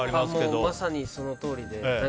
まさにそのとおりで。